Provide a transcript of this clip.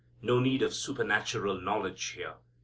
No need of supernatural knowledge here.